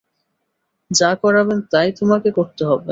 যা করাবেন, তাই তোমাকে করতে হবে।